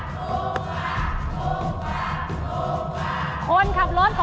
อ๋อนี่คือร้านเดียวกันเหรออ๋อนี่คือร้านเดียวกันเหรอ